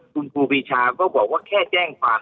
คุณครูปีชาก็บอกว่าแค่แจ้งความ